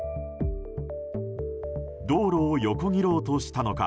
道路を横切ろうとしたのか。